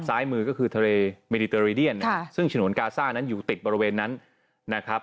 ซ้ายมือก็คือทะเลเมดิเตอรีเดียนซึ่งฉนวนกาซ่านั้นอยู่ติดบริเวณนั้นนะครับ